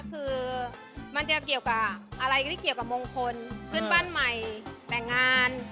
คือมันจะเกี่ยวกับอะไรที่เกี่ยวกับมงคลขึ้นบ้านใหม่แต่งงาน